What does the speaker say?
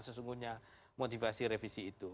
sesungguhnya motivasi revisi itu